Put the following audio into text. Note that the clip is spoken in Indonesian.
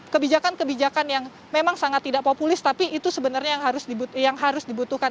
kebijakan kebijakan yang memang sangat tidak populis tapi itu sebenarnya yang harus dibutuhkan